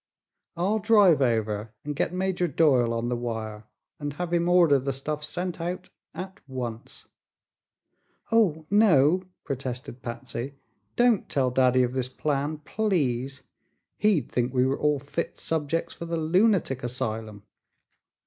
"I'll drive over and get Major Doyle on the wire and have him order the stuff sent out at once." "Oh, no!" protested Patsy; "don't tell daddy of this plan, please. He'd think we were all fit subjects for the lunatic asylum."